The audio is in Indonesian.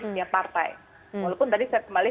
setiap partai walaupun tadi saya kembali